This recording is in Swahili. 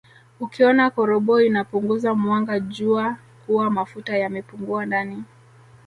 Ukiona koroboi inapunguza mwanga jua kuwa mafuta yamepungua ndani